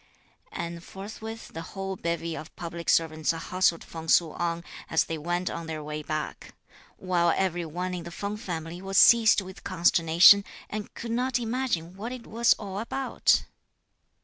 And forthwith the whole bevy of public servants hustled Feng Su on, as they went on their way back; while every one in the Feng family was seized with consternation, and could not imagine what it was all about.